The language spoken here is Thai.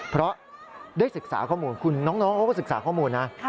เพราะได้ศึกษาข้อมูลคุณน้องเขาก็ศึกษาข้อมูลนะ